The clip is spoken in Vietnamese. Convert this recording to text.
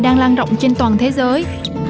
đang lan rộng trên toàn thế giới